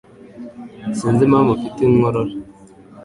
Sinzi impamvu mfite inkorora.